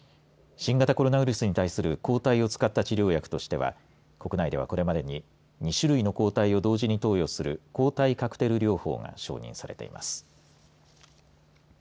新型コロナウイルスに対する抗体を使った治療薬としては国内ではこれまでに２種類の抗体を同時に投与する抗体カクテル療法が承認されています。